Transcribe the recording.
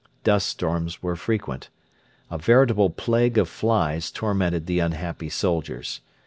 Dust storms were frequent. A veritable plague of flies tormented the unhappy soldiers.